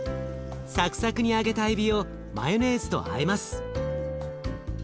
サクサクに揚げたえびをマヨネーズとあえます。